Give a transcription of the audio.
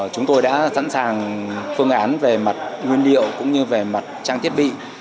chúng tôi đã sẵn sàng phương án về mặt nguyên liệu cũng như về mặt trang thiết bị